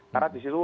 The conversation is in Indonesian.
karena di situ